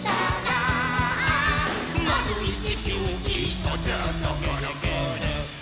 「まるいちきゅうきっとずっとグルグル」